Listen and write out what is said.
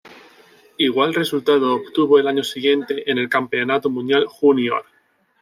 Igual resultado obtuvo el año siguiente en el Campeonato Mundial Junior.